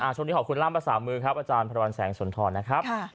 ช่วงนี้ขอบคุณล่ามภาษามือครับอาจารย์พระวันแสงสุนทรนะครับ